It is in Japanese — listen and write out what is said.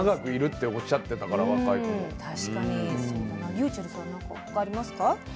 ｒｙｕｃｈｅｌｌさん何か他ありますか？